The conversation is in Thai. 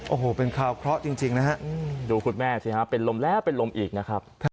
โอ้โหเป็นข่าวเคราะห์จริงนะฮะดูคุณแม่สิฮะเป็นลมแล้วเป็นลมอีกนะครับ